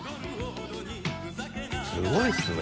すごいですね。